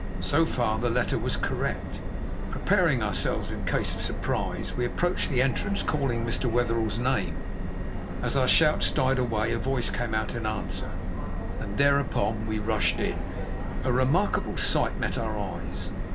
So far the letter was correct. Preparing ourselves, in case of surprise, we approached the entrance, calling Mr. Wetherell's name. As our shouts died away a voice came out in answer, and thereupon we rushed in. A remarkable sight met our eyes.